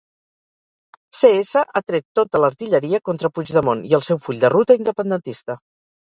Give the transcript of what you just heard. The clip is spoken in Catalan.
Cs ha tret tota l'artilleria contra Puigdemont i el seu full de ruta independentista.